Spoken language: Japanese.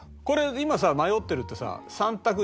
これ今さ迷ってるってさ。